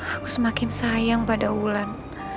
aku semakin sayang pada wulan